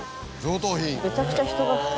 めちゃくちゃ人が。